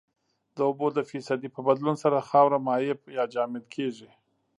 د اوبو د فیصدي په بدلون سره خاوره مایع یا جامد کیږي